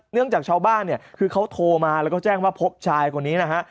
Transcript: จากชาวบ้านเนี่ยคือเขาโทรมาแล้วก็แจ้งว่าพบชายคนนี้นะฮะ